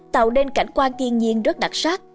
tạo nên cảnh quan kiên nhiên rất đặc sắc